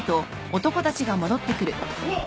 うわ！あっ！